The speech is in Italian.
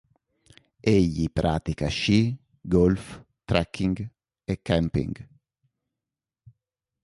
Egli pratica sci, golf, trekking e camping.